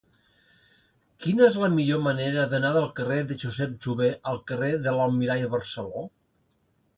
Quina és la millor manera d'anar del carrer de Josep Jover al carrer de l'Almirall Barceló?